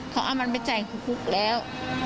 เขาเอามันไปจ่ายคุกแล้ว